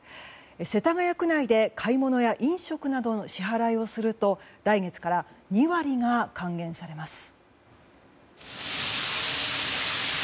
世田谷区内で買い物や飲食などの支払いをすると来月から２割が還元されます。